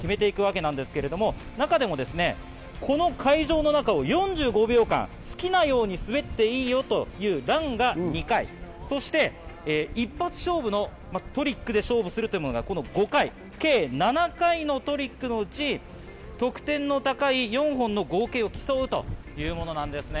それでトリックを決めていくわけなんですが、中でもこの会場の中を４５秒間好きなように滑っていいよというランが２回、そして一発勝負のトリックで勝負する５回、計７回のトリックのうち、得点の高い４本の合計を競うというものなんです。